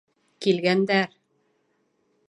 Килгәндәр!